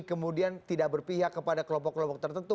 kemudian tidak berpihak kepada kelompok kelompok tertentu